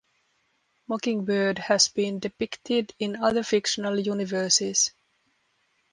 Mockingbird has been depicted in other fictional universes.